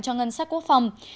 cho ngân sách quốc phòng